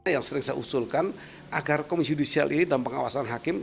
yang sering saya usulkan agar komisi judisial ini dalam pengawasan hakim